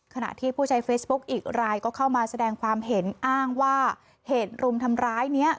ขณะที่ผู้ใช้เฟซบุ๊กอีกรายก็เข้ามาแสดงความเห็นอ้างว่าเหตุรุมทำร้ายเนี้ย